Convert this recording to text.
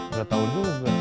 gak tau juga